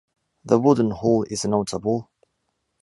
The wooden hall is notable.